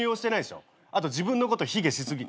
あと自分のこと卑下しすぎ。